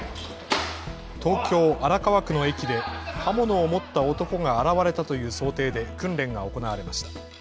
東京荒川区の駅で刃物を持った男が現れたという想定で訓練が行われました。